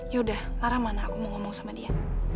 yaudah larang mana aku mau ngomong sama dia